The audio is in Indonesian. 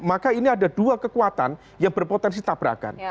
maka ini ada dua kekuatan yang berpotensi tabrakan